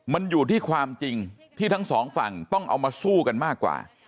มันอยู่ที่ความจริงที่ทั้งสองฝั่งต้องเอามาสู้กันมากกว่า